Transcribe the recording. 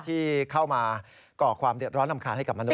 ที่เข้ามาก่อความเดือดร้อนรำคาญให้กับมนุษ